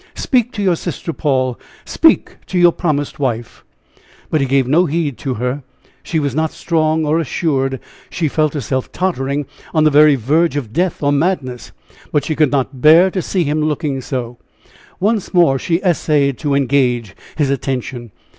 Speak to your sister, Paul! Speak to your promised wife." But he gave no heed to her. She was not strong or assured she felt herself tottering on the very verge of death or madness. But she could not bear to see him looking so. Once more she essayed to engage his attention.